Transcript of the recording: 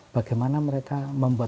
bagaimana mereka membuat